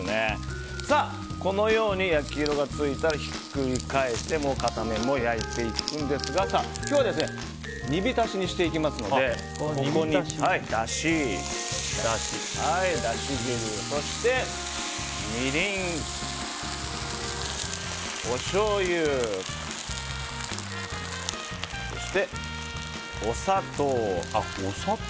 このように焼き色がついたらひっくり返してもう片面も焼いていくんですが今日は煮浸しにしていきますのでだし汁、そして、みりんおしょうゆ、そしてお砂糖。